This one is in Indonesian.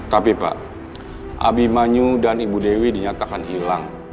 tapi pak abi manyo dan ibu dewi dinyatakan hilang